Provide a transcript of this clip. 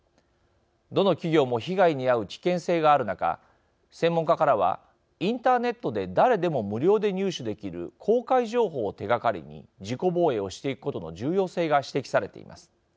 どの企業も被害にあう危険性がある中専門家からはインターネットで誰でも無料で入手できる公開情報を手がかりに自己防衛をしていくことの重要性が指摘されています。